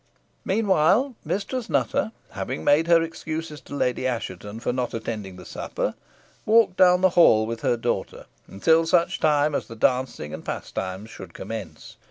Meanwhile, Mistress Nutter having made her excuses to Lady Assheton for not attending the supper, walked down the hall with her daughter, until such time as the dancing and pastimes should commence.